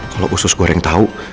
kalau usus gue yang tahu